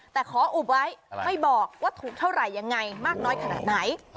แต่ขออุบไว้ไม่บอกว่าถูกเท่าไหร่ยังไงมากน้อยขนาดไหน